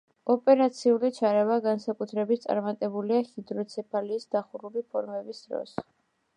ოპერაციული ჩარევა განსაკუთრებით წარმატებულია ჰიდროცეფალიის დახურული ფორმების დროს.